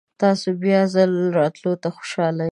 تاسو بیا ځل راتلو ته خوشحال یم.